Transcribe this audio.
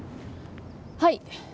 はい。